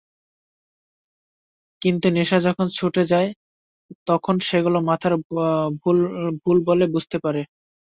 কিন্তু নেশা যখন ছুটে যায়, তখন সেগুলো মাথার ভুল বলে বুঝতে পারে।